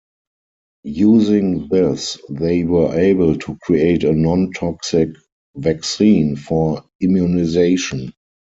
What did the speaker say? Using this, they were able to create a non-toxic vaccine for immunization.